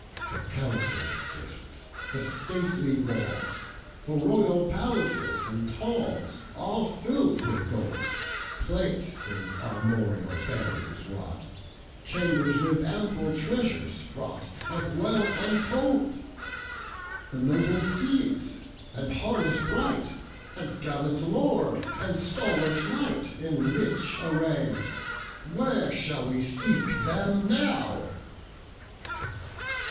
The countless gifts, the stately walls, The royal palaces, and halls, All filled with gold; Plate with armorial bearings wrought, Chambers with ample treasures fraughtOf wealth untold; The noble steeds, and harness bright, And gallant lord, and stalwart knight, In rich array, Where shall we seek them now?